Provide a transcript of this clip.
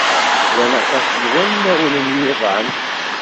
Llan aṭas n wanawen n yiḍan.